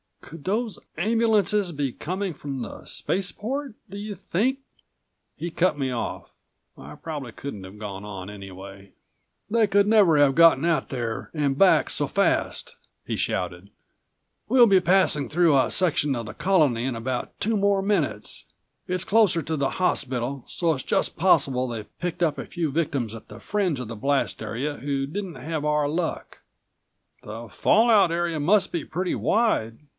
"Could those ambulances be coming from the spaceport? Do you think " He cut me off. I probably couldn't have gone on anyway. "They could never have gotten out there and back so fast!" he shouted. "We'll be passing through a section of the Colony in about two more minutes. It's closer to the hospital, so it's just possible they've picked up a few victims at the fringe of the blast area who didn't have our luck." "The fallout area must be pretty wide!"